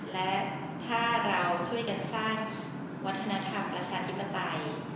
และถ้าเราช่วยกันสร้างวัฒนธรรมประชาธิปไตย